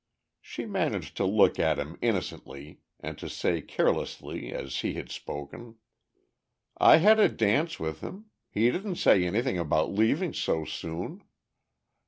She managed to look at him innocently and to say carelessly as he had spoken: "I had a dance with him. He didn't say anything about leaving so soon."